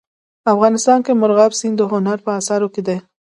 افغانستان کې مورغاب سیند د هنر په اثار کې دی.